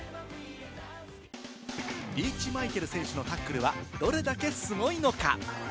リーチ・マイケル選手のタックルは、どれだけすごいのか？